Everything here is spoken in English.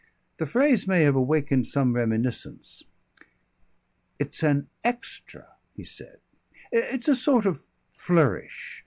The phrase may have awakened some reminiscence. "It's an extra," he said. "It's a sort of flourish....